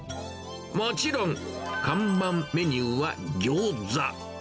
もちろん、看板メニューはギョーザ。